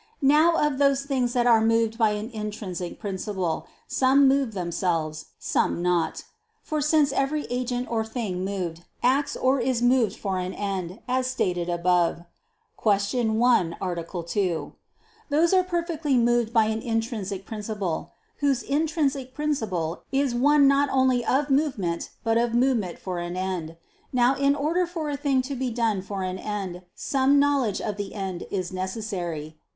Now of those things that are moved by an intrinsic principle, some move themselves, some not. For since every agent or thing moved, acts or is moved for an end, as stated above (Q. 1, A. 2); those are perfectly moved by an intrinsic principle, whose intrinsic principle is one not only of movement but of movement for an end. Now in order for a thing to be done for an end, some knowledge of the end is necessary.